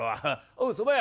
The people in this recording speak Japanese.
おうそば屋」。